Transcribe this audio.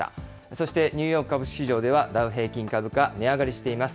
そして、ニューヨーク株式市場ではダウ平均株価、値上がりしています。